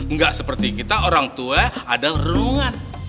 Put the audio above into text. nggak seperti kita orang tua ada ruangan